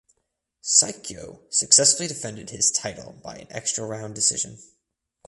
Saikyo successfully defended his title by an extra round decision.